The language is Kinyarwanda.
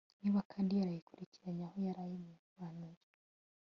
niba kandi yarayikurikiranye aho yarayimanuye